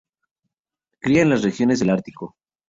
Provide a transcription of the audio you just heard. Cría en las regiones del Ártico.